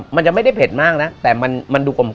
มันจะไม่ได้เผ็ดมากนะแต่มันดูกลม